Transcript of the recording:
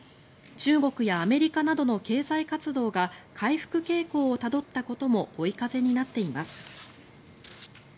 中国やアメリカなどの経済活動が回復傾向をたどったことも追い風になっています。